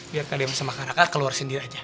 biar kak dimas sama kak raka keluar sendiri aja ya